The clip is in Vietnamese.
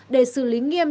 để xử lý nghiêm